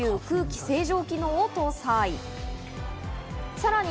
さらに。